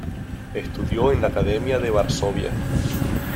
Estudió en la Academia de Varsovia.